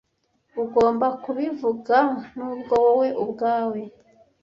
ugomba kubivuga nubwo wowe ubwawe